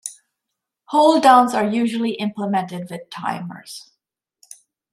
Holddowns are usually implemented with timers.